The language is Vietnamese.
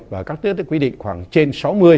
và các tiết quy định khoảng trên sáu mươi